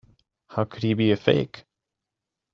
How could he be a fake?